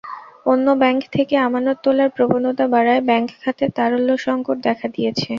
অন্য ব্যাংক থেকে আমানত তোলার প্রবণতা বাড়ায় ব্যাংক খাতে তারল্যসংকট দেখা দিয়েছে।